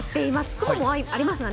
雲もありますが。